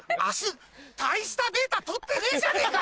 大したデータ取ってねえじゃねぇか！